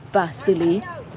và xử lý